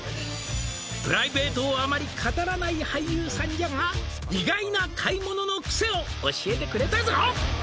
「プライベートをあまり語らない俳優さんじゃが」「を教えてくれたぞ！」